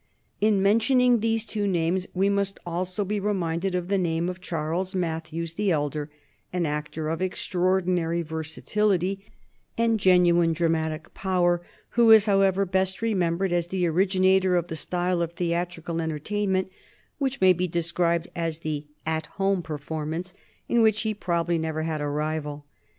In mentioning these two names, we must also be reminded of the name of Charles Mathews the elder, an actor of extraordinary versatility and genuine dramatic power, who is, however, best remembered as the originator of the style of theatrical entertainment which may be described as the "At Home" performance, in which he probably never had a rival.